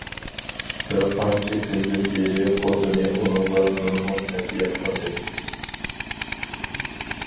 بىر قانچە كۈندىن بېرى خوتۇنى ئۇنىڭغا نۇرغۇن نەسىھەت قىلدى.